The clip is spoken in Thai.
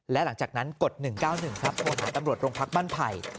และหลังจากนั้นกด๑๙๑ครับโทรหาตำรวจโรงพักบ้านไผ่